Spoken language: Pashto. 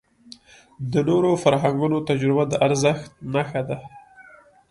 د نورو فرهنګونو تجربه د ارزښت نښه ده.